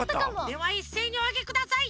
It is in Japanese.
ではいっせいにおあげください！